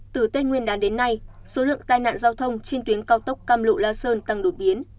từ tết nguyên đán đến nay số lượng tai nạn giao thông trên tuyến cao tốc cam lộ la sơn tăng đột biến